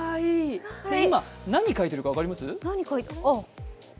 今、何書いてるか分かります？